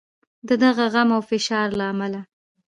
د دغه غم او فشار له امله.